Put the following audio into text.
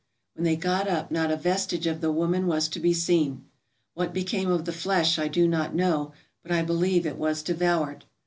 When they got up not a vestige of the woman was to be seen. What became of the flesh I do not know, but I believe it was devoured.